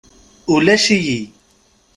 Ulac-iyi.